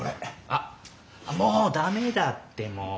あっもうダメだってもう。